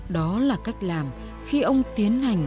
đó là cách làm khi ông tiến hành